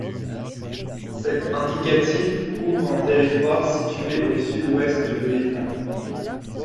Cet indicatif couvre un territoire situé au sud-ouest de l'État.